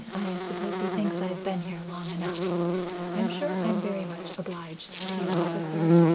I suppose he thinks I've been here long enough. I'm sure I'm very much obliged to you, officer.